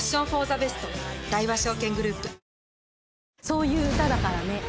「そういう歌だからね」